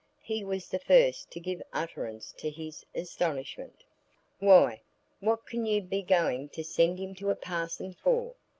He was the first to give utterance to his astonishment. "Why, what can you be going to send him to a parson for?"